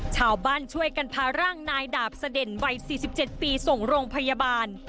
ชาวบ้านช่วยกันพาร่างนายดาบเสด็นวัย๔๗ปีส่งโรงพยาบาล